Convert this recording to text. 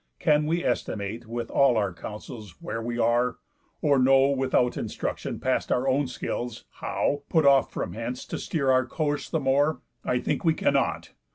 Can we estimate, With all our counsels, where we are? Or know (Without instruction, past our own skills) how, Put off from hence, to steer our course the more? I think we cannot.